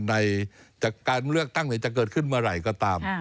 ในการเลือกตั้งจะเกิดขึ้นเมื่อไหร่ก็ตาม